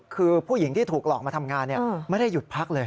คือผู้หญิงที่ถูกหลอกมาทำงานไม่ได้หยุดพักเลย